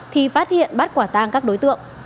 thì phát hiện bắt quả tang các đối tượng